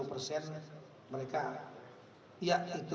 dan mereka adalah satu keluarga lagi